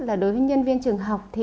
là đối với nhân viên trường học